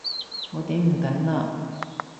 我頂唔緊喇！